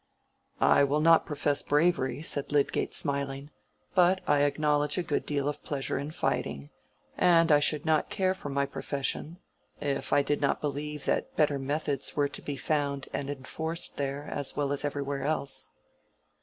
"I will not profess bravery," said Lydgate, smiling, "but I acknowledge a good deal of pleasure in fighting, and I should not care for my profession, if I did not believe that better methods were to be found and enforced there as well as everywhere else."